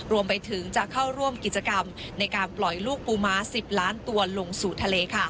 รวมไปถึงจะเข้าร่วมกิจกรรมในการปล่อยลูกปูม้า๑๐ล้านตัวลงสู่ทะเล